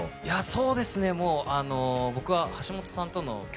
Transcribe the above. そうですね